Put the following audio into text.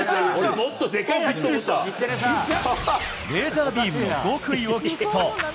レーザービームの極意を聞くと。